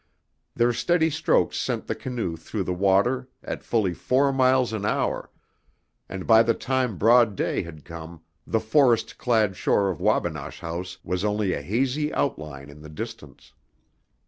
Their steady strokes sent the canoe through the water at fully four miles an hour, and by the time broad day had come the forest clad shore at Wabinosh House was only a hazy outline in the distance.